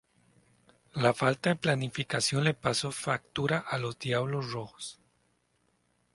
La falta de planificación le pasó factura a los "Diablos Rojos".